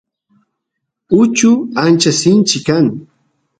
uchu ancha sinchi kan